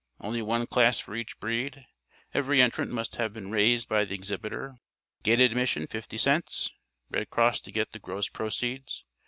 Only one class for each breed. Every entrant must have been raised by the exhibitor. Gate admission fifty cents. Red Cross to get the gross proceeds.